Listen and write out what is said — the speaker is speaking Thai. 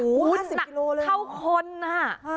หนักเท่าคนอ่ะ